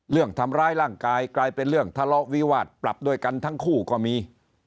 เรื่องทำร้ายร่างกายกลายเป็นเรื่องทะเลาะวิวาสปรับด้วยกันทั้งคู่ก็มี